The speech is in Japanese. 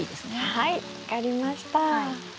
はい分かりました。